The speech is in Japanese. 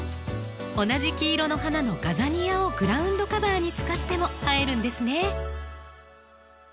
同じ黄色の花のガザニアをグラウンドカバーに使っても映えるんですね。